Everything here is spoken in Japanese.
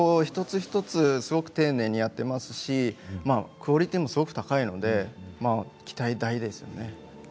一つ一つ丁寧にやっていますしクオリティーもすごく高いので期待大ですね。